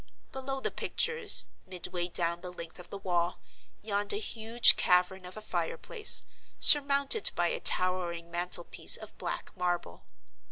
Below the pictures, midway down the length of the wall, yawned a huge cavern of a fireplace, surmounted by a towering mantel piece of black marble.